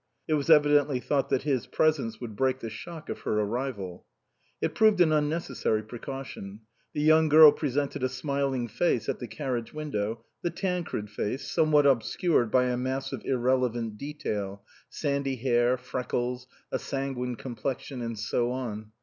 It was evidently thought that his presence would break the shock of her arrival. It proved an unnecessary precaution. The young girl presented a smiling face at the car riage window the Tancred face, somewhat ob scured by a mass of irrelevant detail, sandy hair, freckles, a sanguine complexion, and so on.